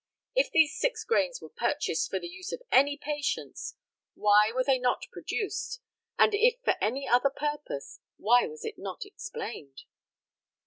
If these six grains were required for the use of any patients, why were they not produced, and if for any other purpose why was it not explained?